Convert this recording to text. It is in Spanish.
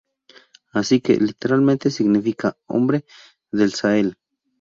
Así que, literalmente, significa "hombre del Sahel".